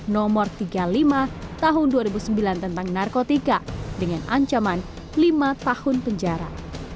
nomor tiga puluh lima tahun dua ribu sembilan tentang narkotika dengan ancaman lima tahun penjara